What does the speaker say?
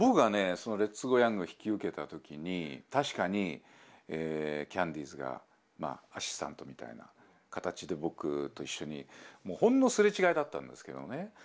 その「レッツゴーヤング」を引き受けた時に確かにキャンディーズがアシスタントみたいな形で僕と一緒にもうほんのすれ違いだったんですけどね